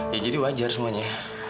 ya jadi wajar semuanya